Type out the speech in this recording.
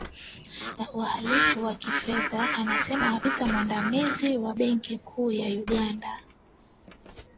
na uhalifu wa kifedha amesema afisa mwandamizi wa benki kuu ya Uganda